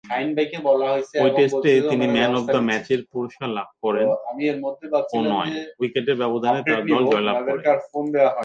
ঐ টেস্টে তিনি ম্যান অব দ্য ম্যাচের পুরস্কার লাভ করেন ও নয়-উইকেটের ব্যবধানে তার দল জয়লাভ করে।